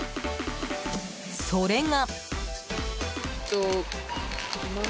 それが。